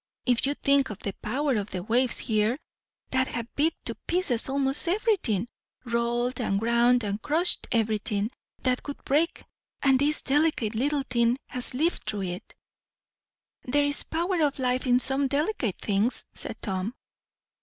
If you think of the power of the waves here, that have beat to pieces almost everything rolled and ground and crushed everything that would break and this delicate little thing has lived through it." "There is a power of life in some delicate things," said Tom.